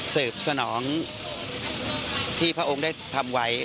สนองที่พระองค์ได้ทำไว้